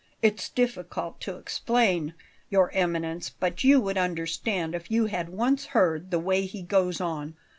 "It's difficult to explain. Your Eminence, but you would understand if you had once heard the way he goes on.